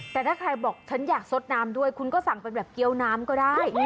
แต่ถ้าใครบอกฉันอยากสดน้ำด้วยคุณก็สั่งเป็นแบบเกี้ยวน้ำก็ได้